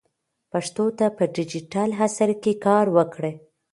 پښتو ته په ډیجیټل عصر کې کار وکړئ.